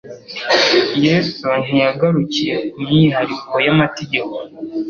Yesu ntiyagarukiye ku myihariko y'amategeko,